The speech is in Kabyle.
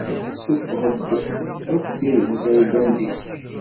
Sṣufeɣ-d akk tirrugza i yellan deg-k.